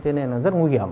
thế nên là rất nguy hiểm